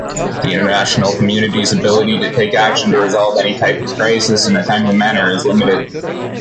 The international community's ability to take action to resolve any type of crisis in a timely manner is limited.